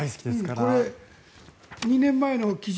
これ、２年前の記事